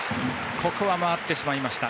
ここは回ってしまいました。